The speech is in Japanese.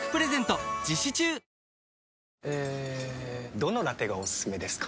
どのラテがおすすめですか？